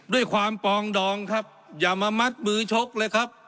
ด้วยความปองดองครับอย่ามามัดมือชกเลยครับ